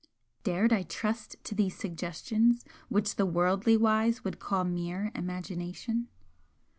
Dared I trust to these suggestions which the worldly wise would call mere imagination?